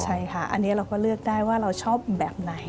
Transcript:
ใช่ค่ะอันนี้เราก็เลือกได้ว่าเราชอบแบบไหน